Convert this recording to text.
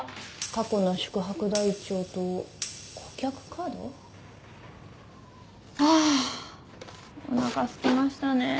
過去の宿泊台帳と顧客カード？ハァおなかすきましたね。